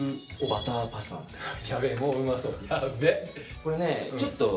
これねちょっと。